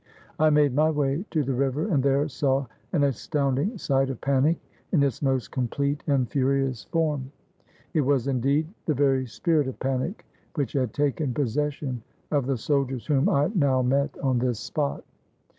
I made my way to the river and there saw an astound ing sight of panic in its most complete and furious form. It was, indeed, the very spirit of panic which had taken possession of the soldiers whom I now met on this spot.